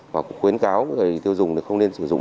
và cũng khuyến cáo người tiêu dùng là không nên sử dụng